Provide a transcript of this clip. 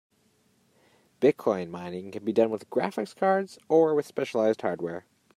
Bitcoin mining can be done with graphic cards or with specialized hardware.